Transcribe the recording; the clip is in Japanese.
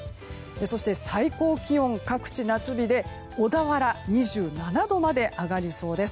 そして、最高気温は各地夏日で小田原は２７度まで上がりそうです。